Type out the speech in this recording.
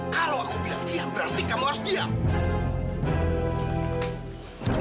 kalau aku bilang diam berarti kamu harus diam